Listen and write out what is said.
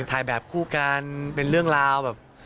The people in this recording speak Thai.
ถ่ายแบบคู่กันเป็นเรื่องราวแบบ